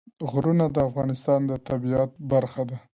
غرونه د افغانستان د طبیعت برخه ده.